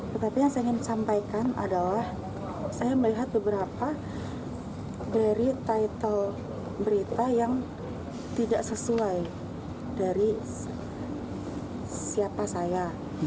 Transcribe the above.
tetapi yang saya ingin sampaikan adalah saya melihat beberapa dari title berita yang tidak sesuai dari siapa saya